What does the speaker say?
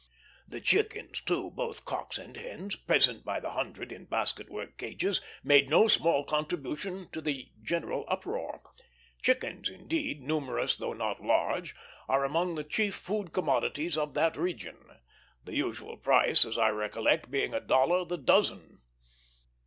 The chickens, too, both cocks and hens, present by the hundred in basket work cages, made no small contribution to the general uproar. Chickens, indeed, numerous though not large, are among the chief food commodities of that region; the usual price, as I recollect, being a dollar the dozen.